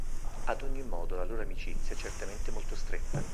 Ad ogni modo la loro amicizia è certamente molto stretta.